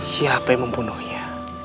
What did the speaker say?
siapa yang membunuhnya